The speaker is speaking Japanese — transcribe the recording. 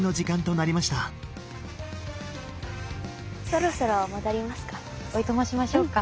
そろそろ戻りますか。